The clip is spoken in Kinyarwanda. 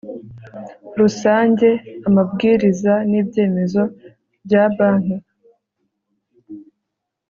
rusange amabwiriza n ibyemezo bya banki